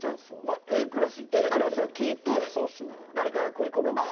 Ａクラスを聞いて誰かが食い込めば。